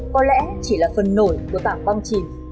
có lẽ chỉ là phần nổi của tảng văn chìm